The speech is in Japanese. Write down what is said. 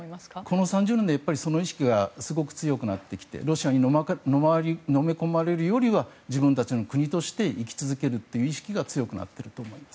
この３０年でその意識は強くなってきてロシアにのみ込まれるよりは自分たちの国として生き続けるという意識が強くなってると思います。